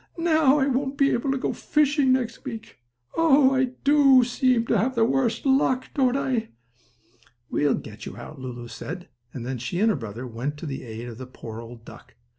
"Now I won't be able to go fishing next week. Oh, I do seem to have the worst luck; don't I?" "We will get you out," Lulu said to him, and then she and her brother went to the aid of the poor old duck.